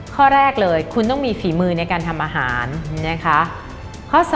ข้อแรกเลยคุณต้องมีฝีมือในการทำอาหารนะคะ